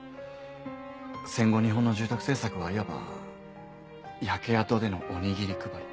戦後日本の住宅政策はいわば焼け跡でのおにぎり配り。